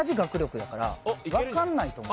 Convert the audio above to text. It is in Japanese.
分かんないと思う。